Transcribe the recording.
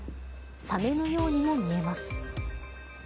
サメのようにも見えます。